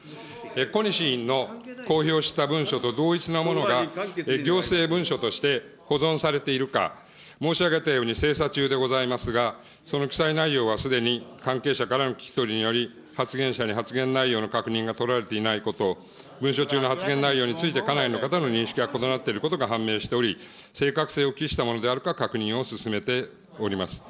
小西委員の公表した文書と同一のものが、行政文書として保存されているか、申し上げたように精査中でございますが、その記載内容はすでに関係者からの聞き取りにより、発言者に発言内容の確認が取られていないこと、文書中の発言内容について、かなりの方の認識が異なっていることが判明しており、正確性を期したものであるか確認を進めております。